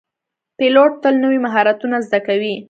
پیلوټ تل نوي مهارتونه زده کوي.